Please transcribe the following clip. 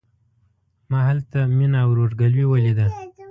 ما هلته مينه او ورور ګلوي وليده.